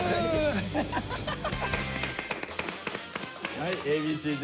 はいＡ．Ｂ．Ｃ−Ｚ